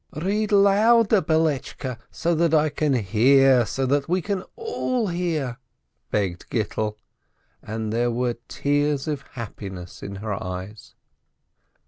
"Read louder, Beiletshke, so that I can hear, so that we can all hear," begged Gittel, and there were tears of happiness in her eyes.